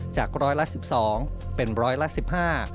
จากร้อยละ๑๒เป็นร้อยละ๑๕